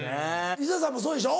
里砂さんもそうでしょ？